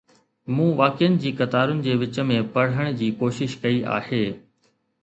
مون واقعن جي قطارن جي وچ ۾ پڙهڻ جي ڪوشش ڪئي آهي.